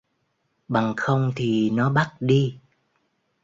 Bằng không thì nó bắt đi